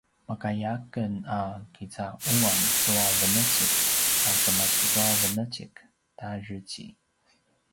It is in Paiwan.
makaya aken a kica’uan tua venecik a kemasi tua venecik ta dreci